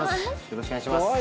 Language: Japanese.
よろしくお願いします。